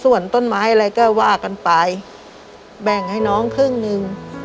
ส่วนต้นไม้อะไรก็ว่ากันไปแบ่งให้น้องครึ่งหนึ่ง